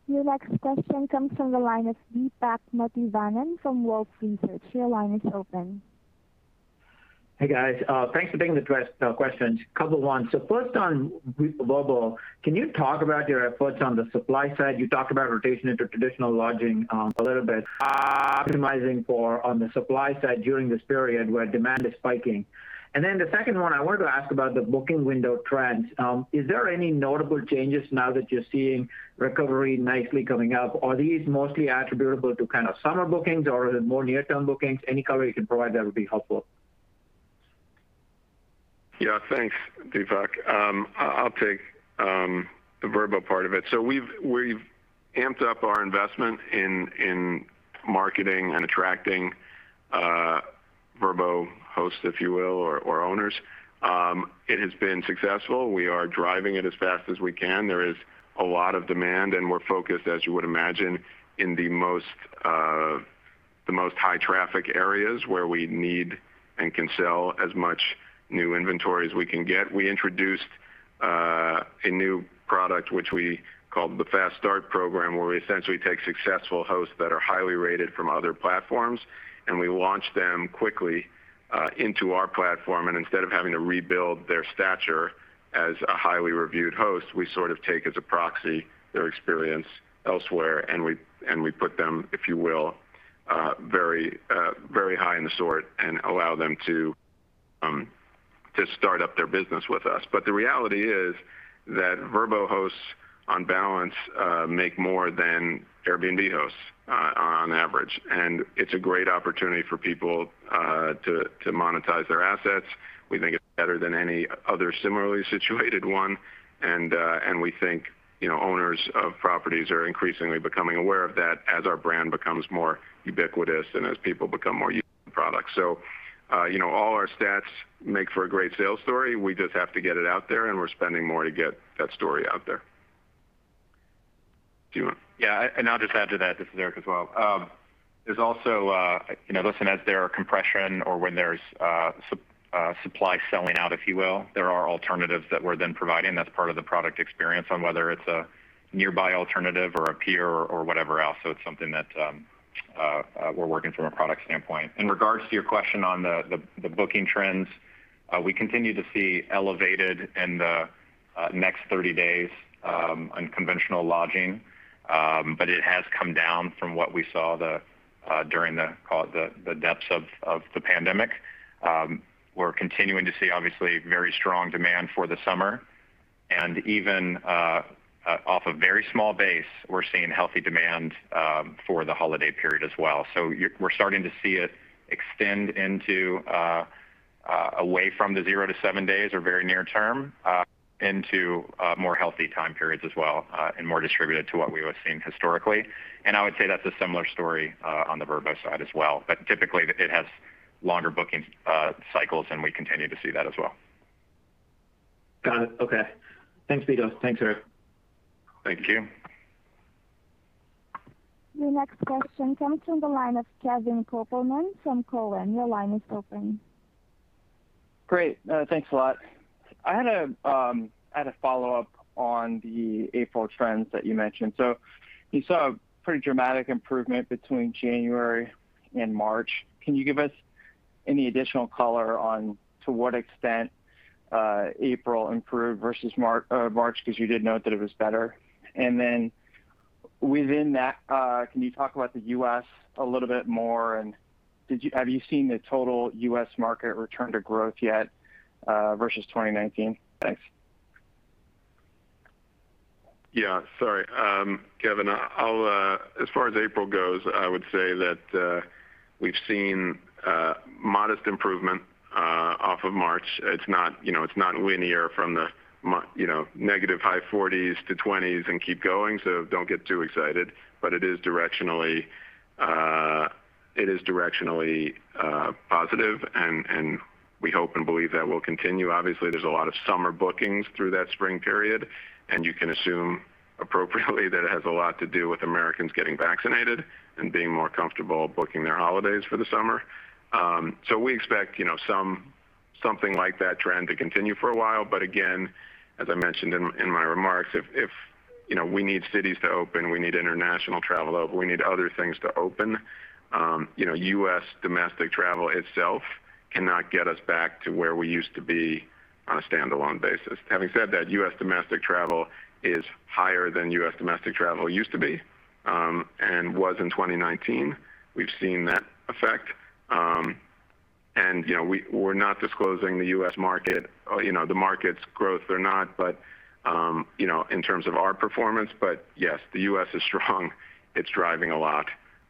Your next question comes from the line of Deepak Mathivanan from Wolfe Research. Your line is open. Hey, guys. Thanks for taking the questions. A couple ones. First on Vrbo, can you talk about your efforts on the supply side? You talked about rotation into traditional lodging a little bit. Optimizing for on the supply side during this period where demand is spiking. The second one, I wanted to ask about the booking window trends. Is there any notable changes now that you're seeing recovery nicely coming up? Are these mostly attributable to kind of summer bookings or more near-term bookings? Any color you can provide there would be helpful. Yeah. Thanks, Deepak. I'll take the Vrbo part of it. We've amped up our investment in marketing and attracting Vrbo hosts, if you will, or owners. It has been successful. We are driving it as fast as we can. There is a lot of demand, and we're focused, as you would imagine, in the most high traffic areas where we need and can sell as much new inventory as we can get. We introduced a new product which we called the Fast Start program, where we essentially take successful hosts that are highly rated from other platforms, and we launch them quickly into our platform. Instead of having to rebuild their stature as a highly reviewed host, we sort of take as a proxy their experience elsewhere, and we put them, if you will, very, very high in the sort and allow them to start up their business with us. The reality is that Vrbo hosts on balance make more than Airbnb hosts on average, and it's a great opportunity for people to monetize their assets. We think it's better than any other similarly situated one, and we think, you know, owners of properties are increasingly becoming aware of that as our brand becomes more ubiquitous and as people become more used to the product. You know, all our stats make for a great sales story. We just have to get it out there, and we're spending more to get that story out there. Yeah. I'll just add to that. This is Eric Hart as well. There's also, you know, listen, as there are compression or when there's supply selling out, if you will, there are alternatives that we're then providing. That's part of the product experience on whether it's a nearby alternative or a peer or whatever else. It's something that we're working from a product standpoint. In regards to your question on the booking trends, we continue to see elevated in the next 30 days, unconventional lodging. It has come down from what we saw during the depths of the pandemic. We're continuing to see obviously very strong demand for the summer. Even off a very small base, we're seeing healthy demand for the holiday period as well. We're starting to see it extend away from the zero to seven days or very near term, into more healthy time periods as well, and more distributed to what we were seeing historically. I would say that's a similar story on the Vrbo side as well. Typically it has longer booking cycles, and we continue to see that as well. Got it. Okay. Thanks, Peter. Thanks, Eric. Thank you. Your next question comes from the line of Kevin Kopelman from Cowen. Your line is open. Great. Thanks a lot. I had a follow-up on the April trends that you mentioned. You saw a pretty dramatic improvement between January and March. Can you give us any additional color on to what extent April improved versus March, 'cause you did note that it was better? Within that, can you talk about the U.S. a little bit more, and have you seen the total U.S. market return to growth yet versus 2019? Thanks. Yeah, sorry. Kevin, I'll As far as April goes, I would say that we've seen modest improvement off of March. It's not, you know, it's not linear from the negative high 40%s to 20%s and keep going, don't get too excited. It is directionally, it is directionally positive and we hope and believe that will continue. Obviously, there's a lot of summer bookings through that spring period, you can assume appropriately that it has a lot to do with Americans getting vaccinated and being more comfortable booking their holidays for the summer. We expect, you know, something like that trend to continue for a while. Again, as I mentioned in my remarks, if, you know, we need cities to open, we need international travel open, we need other things to open, you know, U.S. domestic travel itself cannot get us back to where we used to be on a standalone basis. Having said that, U.S. domestic travel is higher than U.S. domestic travel used to be, and was in 2019. We've seen that effect. And, you know, we're not disclosing the U.S. market, or, you know, the market's growth or not, but, you know, in terms of our performance. Yes, the U.S. is strong. It's driving a lot,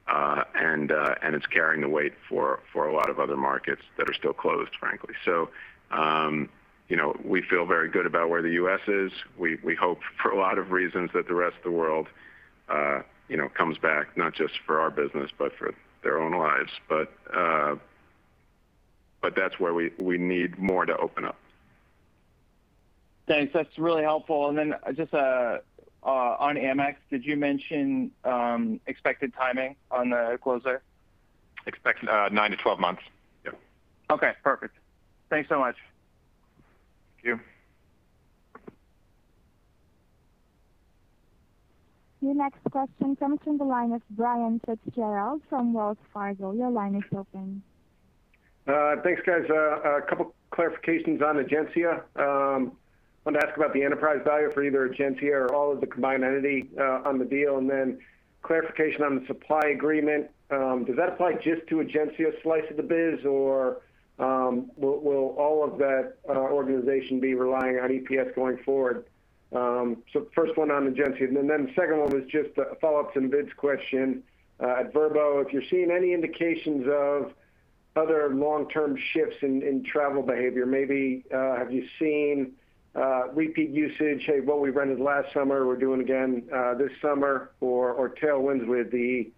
and it's carrying the weight for a lot of other markets that are still closed, frankly. You know, we feel very good about where the U.S. is. We hope for a lot of reasons that the rest of the world, you know, comes back not just for our business, but for their own lives. That's where we need more to open up. Thanks. That's really helpful. Just, on Amex, did you mention, expected timing on the close there? Expect, 9-12 months. Yeah. Okay. Perfect. Thanks so much. Thank you. Your next question comes from the line of Brian Fitzgerald from Wells Fargo. Your line is open. Thanks, guys. A couple clarifications on Egencia. Wanted to ask about the enterprise value for either Egencia or all of the combined entity on the deal, and then clarification on the supply agreement. Does that apply just to Egencia slice of the biz, or will all of that organization be relying on EPS going forward? First one on Egencia, and then the second one was just a follow-up to Deepak's question at Vrbo. If you're seeing any indications of other long-term shifts in travel behavior, maybe have you seen repeat usage, "Hey, what we rented last summer, we're doing again this summer," or tailwinds with the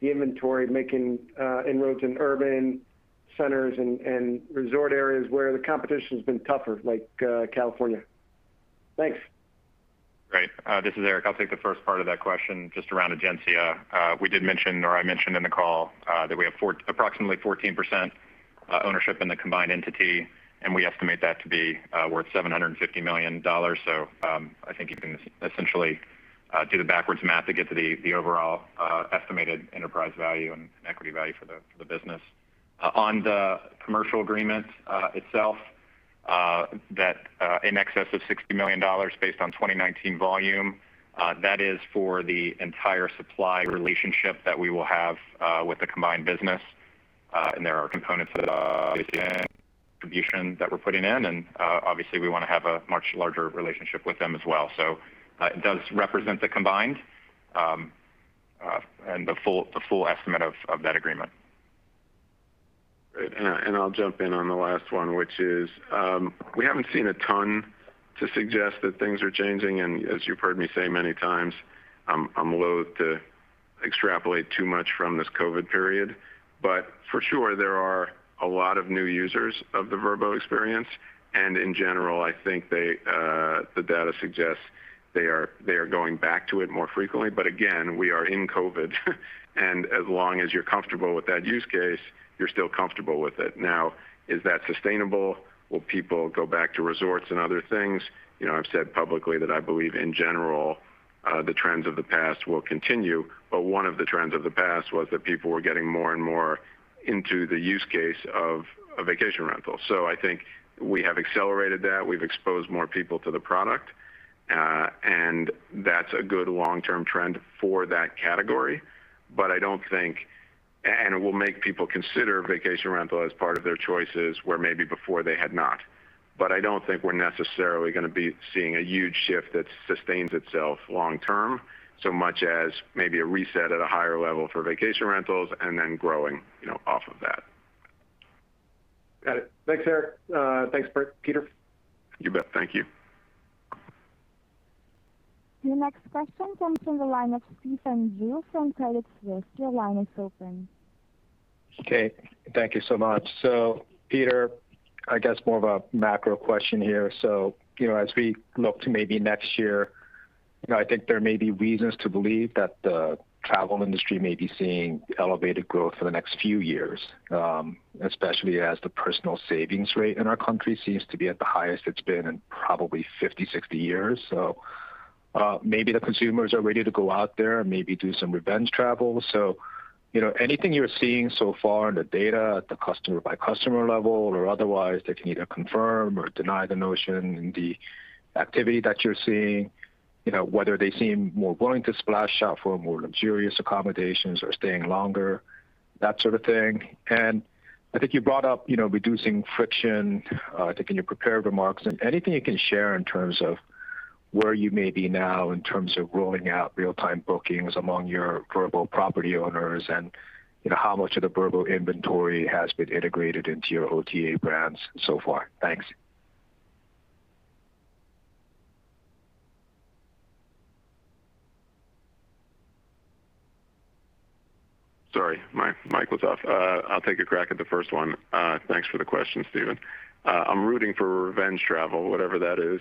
inventory making inroads in urban centers and resort areas where the competition's been tougher, like California? Thanks. Great. This is Eric. I'll take the first part of that question just around Egencia. We did mention or I mentioned in the call that we have approximately 14% ownership in the combined entity, and we estimate that to be worth $750 million. I think you can essentially do the backwards math to get to the overall estimated enterprise value and equity value for the business. On the commercial agreement itself, that in excess of $60 million based on 2019 volume, that is for the entire supply relationship that we will have with the combined business. There are components of distribution that we're putting in, and obviously we wanna have a much larger relationship with them as well. It does represent the combined, and the full estimate of that agreement. Great. I'll jump in on the last one, which is, we haven't seen a ton to suggest that things are changing. As you've heard me say many times, I'm loathe to extrapolate too much from this COVID period. For sure there are a lot of new users of the Vrbo experience, and in general, I think the data suggests they are going back to it more frequently. Again, we are in COVID, and as long as you're comfortable with that use case, you're still comfortable with it. Now, is that sustainable? Will people go back to resorts and other things? You know, I've said publicly that I believe in general, the trends of the past will continue, but one of the trends of the past was that people were getting more and more into the use case of a vacation rental. I think we have accelerated that. We've exposed more people to the product. That's a good long-term trend for that category, but I don't think it will make people consider vacation rental as part of their choices, where maybe before they had not. I don't think we're necessarily going to be seeing a huge shift that sustains itself long term, so much as maybe a reset at a higher level for vacation rentals and then growing, you know, off of that. Got it. Thanks, Eric. Thanks, Peter. You bet. Thank you. Your next question comes from the line of Stephen Ju from Credit Suisse. Your line is open. Okay. Thank you so much. Peter, I guess more of a macro question here. As we look to maybe next year, you know, I think there may be reasons to believe that the travel industry may be seeing elevated growth for the next few years, especially as the personal savings rate in our country seems to be at the highest it's been in probably 50, 60 years. Maybe the consumers are ready to go out there, maybe do some revenge travel. Anything you're seeing so far in the data at the customer by customer level or otherwise that can either confirm or deny the notion in the activity that you're seeing, you know, whether they seem more willing to splash out for more luxurious accommodations or staying longer, that sort of thing. I think you brought up, you know, reducing friction, I think in your prepared remarks. Anything you can share in terms of where you may be now in terms of rolling out real-time bookings among your Vrbo property owners and, you know, how much of the Vrbo inventory has been integrated into your OTA brands so far? Thanks. Sorry, my mic was off. I'll take a crack at the first one. Thanks for the question, Stephen. I'm rooting for revenge travel, whatever that is.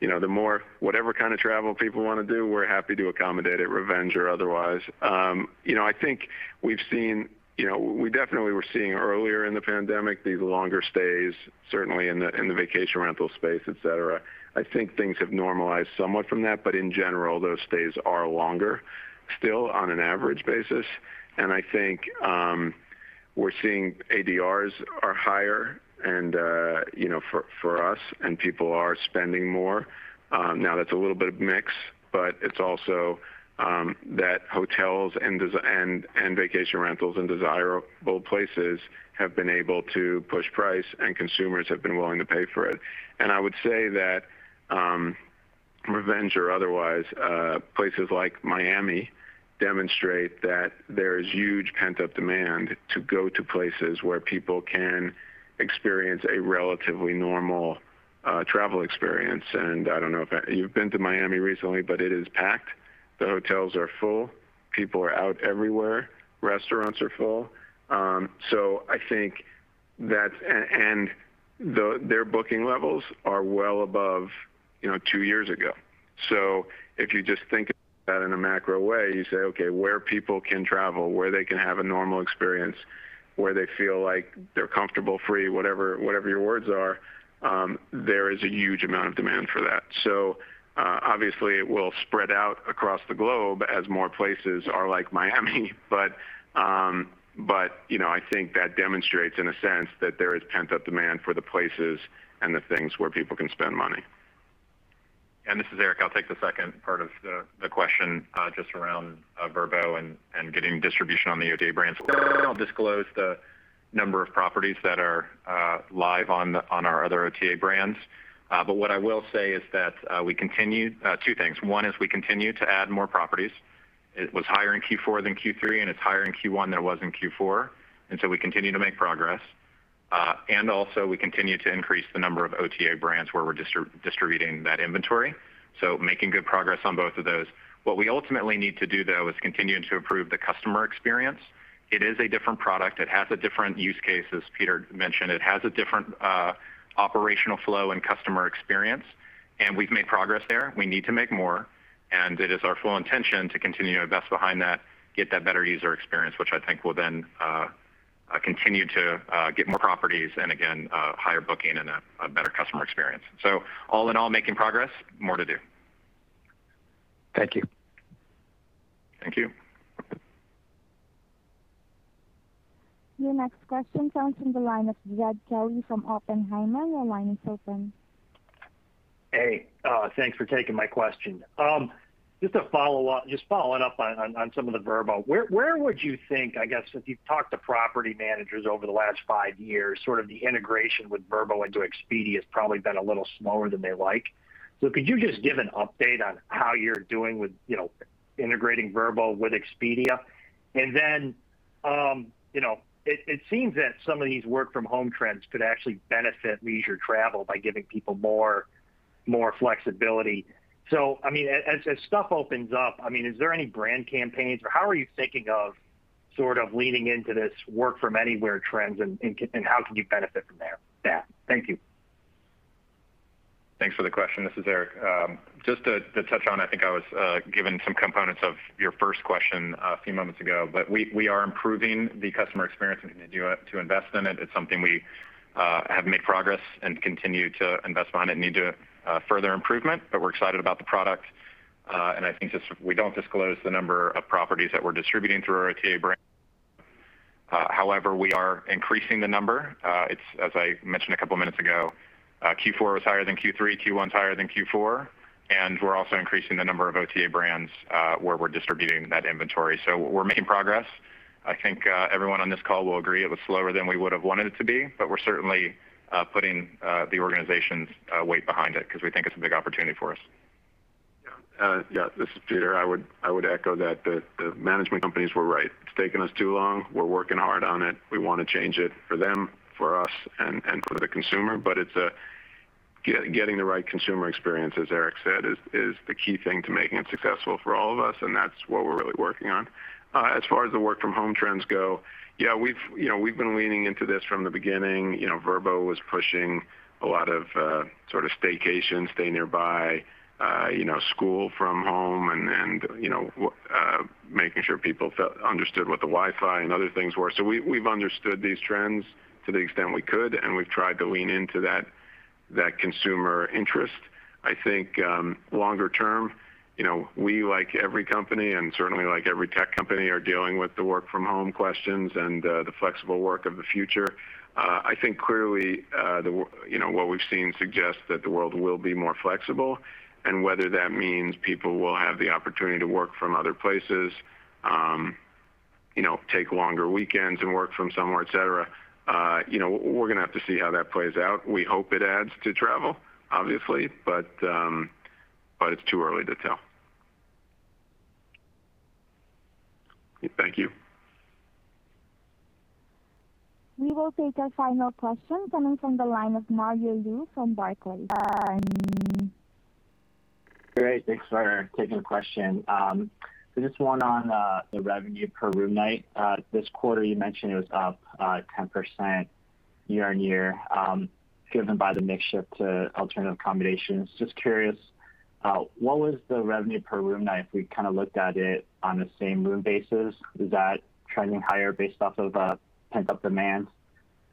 You know, the more whatever kind of travel people wanna do, we're happy to accommodate it, revenge or otherwise. You know, I think we've seen, you know, we definitely were seeing earlier in the pandemic these longer stays, certainly in the vacation rental space, et cetera. I think things have normalized somewhat from that. In general, those stays are longer still on an average basis. I think, we're seeing ADRs are higher, you know, for us, and people are spending more. Now that's a little bit of mix, but it's also that hotels and vacation rentals and desirable places have been able to push price, and consumers have been willing to pay for it. I would say that revenge or otherwise, places like Miami demonstrate that there is huge pent-up demand to go to places where people can experience a relatively normal travel experience. I don't know if you've been to Miami recently, but it is packed. The hotels are full. People are out everywhere. Restaurants are full. I think their booking levels are well above, you know, two years ago. If you just think about it in a macro way, you say, okay, where people can travel, where they can have a normal experience, where they feel like they're comfortable, free, whatever your words are, there is a huge amount of demand for that. Obviously it will spread out across the globe as more places are like Miami. You know, I think that demonstrates in a sense that there is pent-up demand for the places and the things where people can spend money. This is Eric. I'll take the second part of the question, just around Vrbo and getting distribution on the OTA brands. I'll disclose the number of properties that are live on our other OTA brands. What I will say is that two things. One is we continue to add more properties. It was higher in Q4 than Q3, it's higher in Q1 than it was in Q4, we continue to make progress. Also we continue to increase the number of OTA brands where we're distributing that inventory, making good progress on both of those. What we ultimately need to do though is continuing to improve the customer experience. It is a different product. It has a different use case, as Peter mentioned. It has a different operational flow and customer experience, and we've made progress there. We need to make more, and it is our full intention to continue to invest behind that, get that better user experience, which I think will then continue to get more properties and again, higher booking and a better customer experience. All in all, making progress. More to do. Thank you. Thank you. Your next question comes from the line of Jed Kelly from Oppenheimer. Your line is open. Thanks for taking my question. Following up on some of the Vrbo, where would you think, I guess, if you've talked to property managers over the last five years, sort of the integration with Vrbo into Expedia has probably been a little smaller than they like. Could you just give an update on how you're doing with, you know, integrating Vrbo with Expedia? You know, it seems that some of these work from home trends could actually benefit leisure travel by giving people more flexibility. I mean, as stuff opens up, I mean, is there any brand campaigns or how are you thinking of sort of leaning into this work from anywhere trends and how can you benefit from that? Thank you. Thanks for the question. This is Eric. I think I was given some components of your first question a few moments ago, but we are improving the customer experience and continue to invest in it. It's something we have made progress and continue to invest behind it, need to further improvement, but we're excited about the product. I think just we don't disclose the number of properties that we're distributing through our OTA brand. However, we are increasing the number. As I mentioned a couple minutes ago, Q4 was higher than Q3, Q1's higher than Q4. We're also increasing the number of OTA brands where we're distributing that inventory. We're making progress. I think everyone on this call will agree it was slower than we would have wanted it to be, but we're certainly putting the organization's weight behind it because we think it's a big opportunity for us. Yeah, this is Peter. I would echo that. The management companies were right. It's taken us too long. We're working hard on it. We want to change it for them, for us, and for the consumer, but getting the right consumer experience, as Eric said, is the key thing to making it successful for all of us, and that's what we're really working on. As far as the work from home trends go, yeah, you know, we've been leaning into this from the beginning. You know, Vrbo was pushing a lot of, sort of staycation, stay nearby, you know, school from home and, you know, making sure people understood what the Wi-Fi and other things were. We've understood these trends to the extent we could, and we've tried to lean into that consumer interest. I think, longer term, you know, we, like every company and certainly like every tech company, are dealing with the work from home questions and the flexible work of the future. I think clearly, you know, what we've seen suggests that the world will be more flexible, and whether that means people will have the opportunity to work from other places, you know, take longer weekends and work from somewhere, et cetera, you know, we're gonna have to see how that plays out. We hope it adds to travel, obviously, but it's too early to tell. Thank you. We will take our final question coming from the line of Mario Lu from Barclays. Great. Thanks for taking the question. Just one on the revenue per room night. This quarter you mentioned it was up 10% year-on-year, driven by the mix shift to alternative accommodations. Just curious, what was the revenue per room night if we kind of looked at it on the same room basis? Is that trending higher based off of pent-up demand?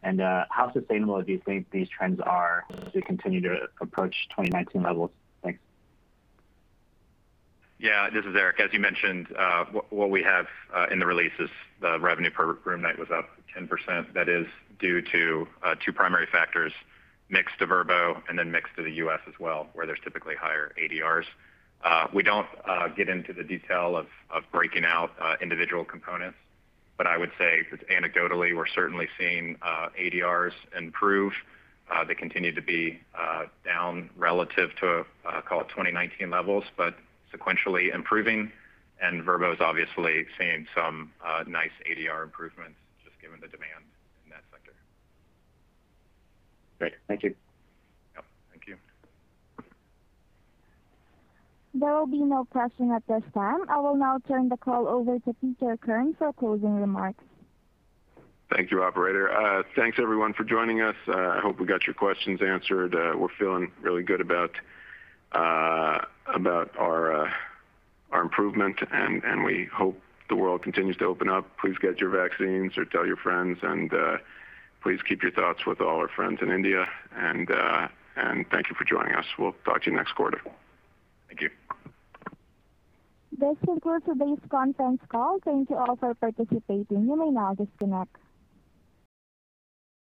How sustainable do you think these trends are as we continue to approach 2019 levels? Thanks. Yeah. This is Eric. As you mentioned, what we have in the release is the revenue per room night was up 10%. That is due to two primary factors: mix to Vrbo and then mix to the U.S. as well, where there's typically higher ADRs. We don't get into the detail of breaking out individual components, but I would say that anecdotally we're certainly seeing ADRs improve. They continue to be down relative to call it 2019 levels, but sequentially improving, and Vrbo is obviously seeing some nice ADR improvements just given the demand in that sector. Great. Thank you. Yep. Thank you. There will be no question at this time. I will now turn the call over to Peter Kern for closing remarks. Thank you, operator. Thanks everyone for joining us. I hope we got your questions answered. We're feeling really good about our improvement, and we hope the world continues to open up. Please get your vaccines or tell your friends, and please keep your thoughts with all our friends in India, and thank you for joining us. We'll talk to you next quarter. Thank you. This concludes today's conference call. Thank you all for participating. You may now disconnect.